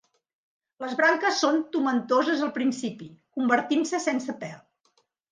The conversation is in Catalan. Les branques són tomentoses al principi, convertint-se sense pèl.